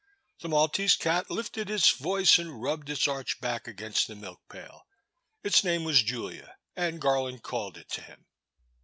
The Maltese cat lifted its voice and rubbed its arched back against the milk pail. Its name was Julia and Garland called it to him.